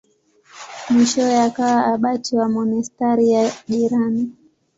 Mwishowe akawa abati wa monasteri ya jirani.